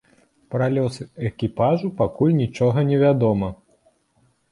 Пра лёс экіпажу пакуль нічога невядома.